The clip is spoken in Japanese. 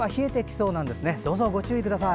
どうぞご注意ください。